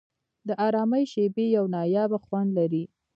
د آرامۍ شېبې یو نایابه خوند لري.